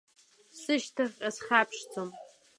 Сышьҭахьҟа схьаԥшӡом.